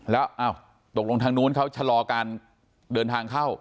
แล้วตกลงทางนู้นเขาชะลอการเดินทางเข้า